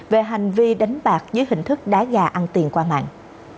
về hành vi đánh bạc dưới hình thức đá gà ăn tiền qua mạng